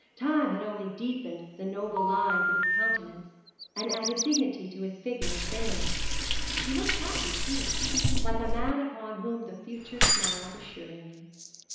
Time had only deepened the noble lines of his countenance, and added dignity to his figure and bearing. He looked happy, too, like a man upon whom the future smiles assuringly.